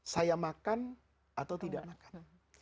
saya makan atau tidak makan